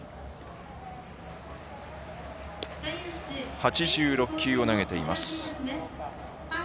８６球を投げています。